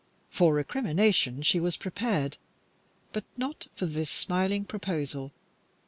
For recrimination she was prepared, but not for this smiling proposal.